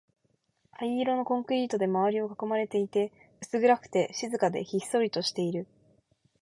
灰色のコンクリートで周りを囲まれていて、薄暗くて、静かで、ひっそりとしている